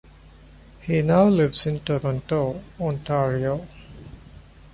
He now lives in Toronto, Ontario.